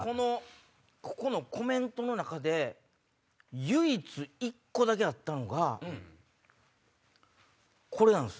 ここのコメントの中で唯一１個だけあったのがこれなんす。